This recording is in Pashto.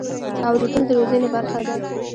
اورېدل د روزنې برخه ده.